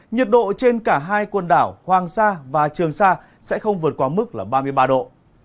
nhiệt độ trên cả hai quần đảo hoàng sa và trường sa sẽ không vượt qua mức là ba mươi ba độ